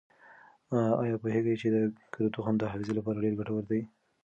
آیا پوهېږئ چې د کدو تخم د حافظې لپاره ډېر ګټور دی؟